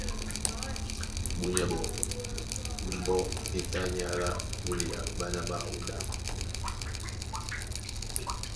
Búnyá ɓɔɔ́ mbɔ́ e tá ní alá púlea ɓána ɓáō ɗá.